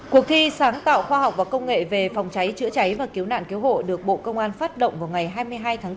cuộc thi sáng tạo khoa học và công nghệ về phòng cháy chữa cháy và cứu nạn cứu hộ được bộ công an phát động vào ngày hai mươi hai tháng bốn